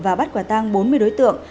và bắt quả tàng bốn mươi đối tượng